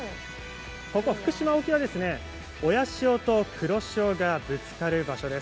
福島県は親潮と黒潮がぶつかる場所です。